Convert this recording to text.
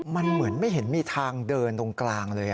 มันเหมือนไม่เห็นมีทางเดินตรงกลางเลย